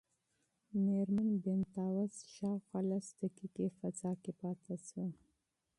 مېرمن بینتهاوس شاوخوا لس دقیقې فضا کې پاتې شوه.